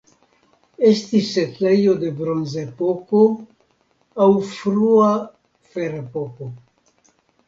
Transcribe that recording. Estis setlejo de Bronzepoko aŭ frua Ferepoko.